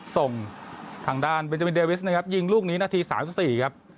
ส่งทางด้านเบนจามินเดวิสนะครับยิงลูกนี้นาที๓๔ครับ